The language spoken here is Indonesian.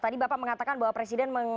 tadi bapak mengatakan bahwa presiden